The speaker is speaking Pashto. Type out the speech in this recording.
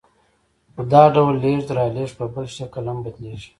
خو دا ډول لېږد رالېږد په بل شکل هم بدلېږي